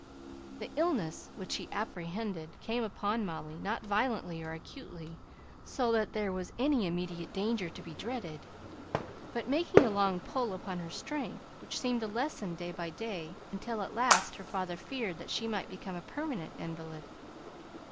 The illness which he apprehended came upon Molly; not violently or acutely, so that there was any immediate danger to be dreaded; but making a long pull upon her strength, which seemed to lessen day by day, until at last her father feared that she might become a permanent invalid.